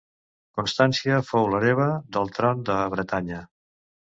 Constància fou l'hereva del tron de Bretanya.